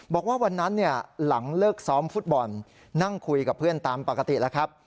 บอกว่าวันนั้นเนี่ยหลังเลิกซ้อมฟุตบอลนั่งคุยกับเพื่อนตามปกติแล้วครับ